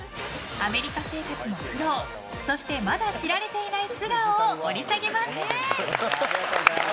アメリカ生活の苦労そしてまだ知られていない素顔を掘り下げます。